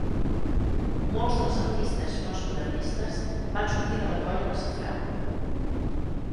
Molts dels artistes postmodernistes van sortir de la Colla del Safrà.